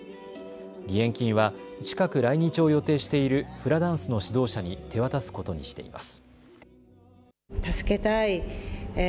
義援金は近く来日を予定しているフラダンスの指導者に手渡すことにしています。